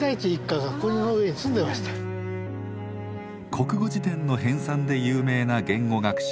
国語辞典の編さんで有名な言語学者